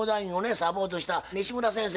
サポートした西村先生